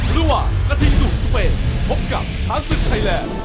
หรือว่ากระทิ่งหนุ่มสเปนพบกับท้านศึกไทยแลนด์